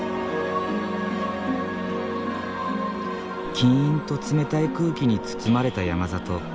キンと冷たい空気に包まれた山里。